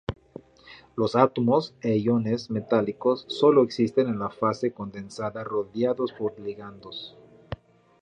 Los átomos e iones metálicos solo existen en la fase condensada rodeados por ligandos.